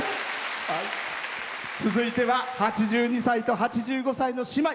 続いては８２歳と８５歳の姉妹。